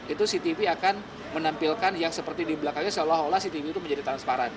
itu si tv akan menampilkan yang seperti di belakangnya seolah olah si tv itu menjadi transparan